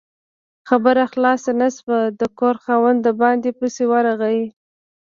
خبره خلاصه نه شوه، د کور خاوند د باندې پسې ورغی